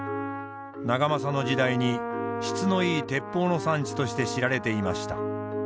長政の時代に質のいい鉄砲の産地として知られていました。